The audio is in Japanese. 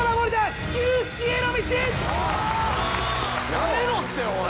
やめろっておい。